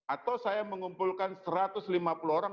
atau saya mengumpulkan satu ratus lima puluh orang